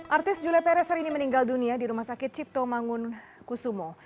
artis julia perezer ini meninggal dunia di rumah sakit cipto mangun kusumo